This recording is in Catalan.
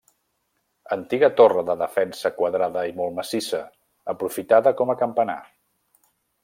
Antiga torre de defensa quadrada i molt massissa, aprofitada com a campanar.